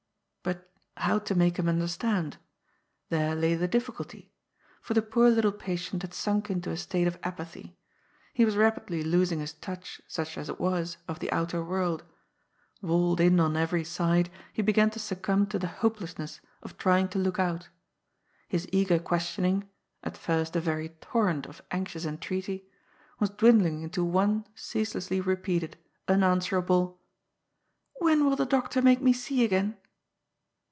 But how to make him under stand ? There lay the difficulty ; for the poor little patient had sunk into a state of apathy. He was rapidly losing his touch, such as it was, of the outer world. Walled in on every side, he began to succumb to the hopelessness of try ing to look out. His eager questioning — at first a very tor rent of anxious entreaty — was dwindling into one ceaselessly repeated, unanswerable, " When will the doctor make me see again